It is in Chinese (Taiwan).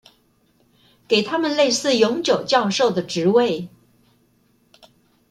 給他們類似永久教授的職位